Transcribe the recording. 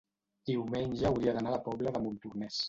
diumenge hauria d'anar a la Pobla de Montornès.